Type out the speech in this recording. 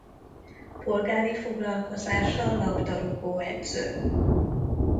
Polgári foglalkozása labdarúgóedző.